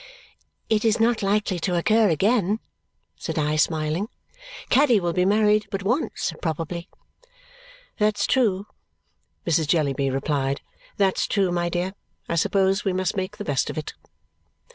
"It is not likely to occur again," said I, smiling. "Caddy will be married but once, probably." "That's true," Mrs. Jellyby replied; "that's true, my dear. I suppose we must make the best of it!"